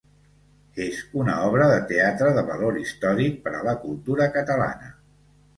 És una obra de teatre de valor històric per a la cultura catalana.